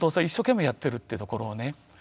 一生懸命やってるってところをね